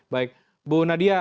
baik bu nadia